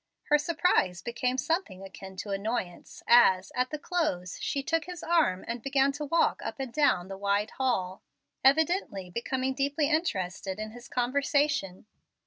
Her surprise became something akin to annoyance, as, at the close, she took his arm and began to walk up and down the wide hall, evidently becoming deeply interested in his conversation.